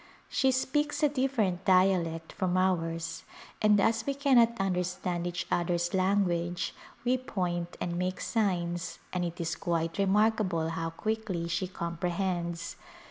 She speaks a ditterent dialect from ours and as we cannot understand each other's language we point and make signs and it is quite remarkable how quickly she comprehends.